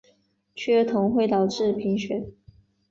缺铜会导致贫血。